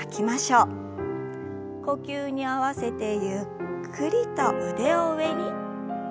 呼吸に合わせてゆっくりと腕を上に。